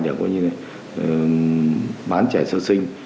để bán trẻ sơ sinh